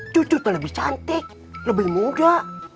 cucu tuh lebih cantik lebih muda